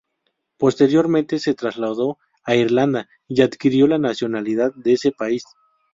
Posteriormente se trasladó a Irlanda y adquirió la nacionalidad de este país.